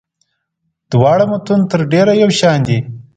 دواړه متون تر ډېره یو شان دي.